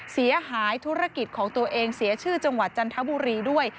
เสียหายธุรกิจของตัวเองเสียชื่อจังหวัดจันทบุรีด้วย